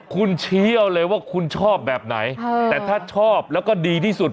คุณชี้เอาเลยว่าคุณชอบแบบไหนแต่ถ้าชอบแล้วก็ดีที่สุด